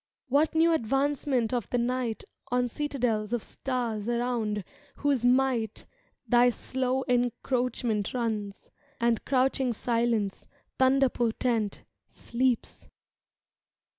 What new advancement of the night On citadels of stars around whose might Thy slow encroachment runs, And crouching Silence, thunder^potent, sleeps?